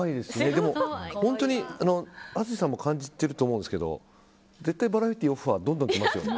でも、本当に淳さんも感じてると思うんですけど絶対バラエティーのオファーどんどんきますよね。